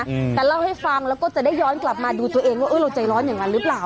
อืมแต่เล่าให้ฟังแล้วก็จะได้ย้อนกลับมาดูตัวเองว่าเออเราใจร้อนอย่างนั้นหรือเปล่า